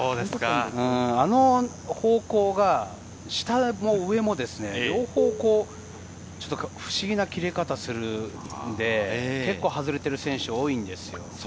あの方向が下も上も、両方向、不思議な切れ方をするので、結構、外れている選手が多いんですよ。